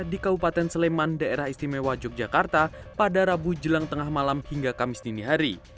di kabupaten sleman daerah istimewa yogyakarta pada rabu jelang tengah malam hingga kamis dini hari